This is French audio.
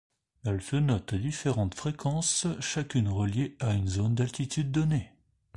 Elles se notent à différentes fréquences, chacune reliée à une zone d’altitudes donnée.